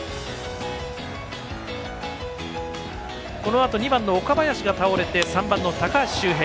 このあと２番の岡林が倒れて３番の高橋周平。